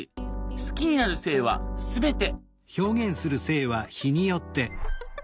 好きになる性は全て。